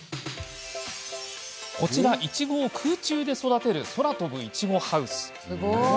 こちら、いちごを空中で育てる空飛ぶいちごハウス。